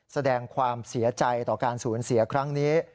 แสดงความเสียใจต่อการสูญเสียครั้งนี้